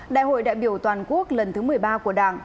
đại hội đại biểu toàn quốc lần thứ một mươi ba của đảng